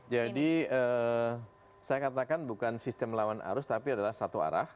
jadi saya katakan bukan sistem lawan arus tapi adalah satu arah